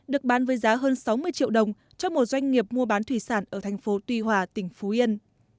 được bán với giá hơn sáu mươi triệu đồng cho một doanh nghiệp mua bán thủy sản ở thành phố tuy hòa tỉnh phú yên